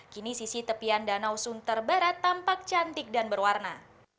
kini sisi tepian danau sunter barat tampak cantik dan berwarna